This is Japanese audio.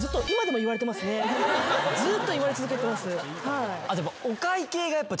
ずっと言われ続けてます。